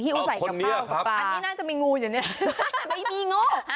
กูใส่กับข้าวกับปลาอันนี้น่าจะมีงูอยู่เนี่ยไม่มีงู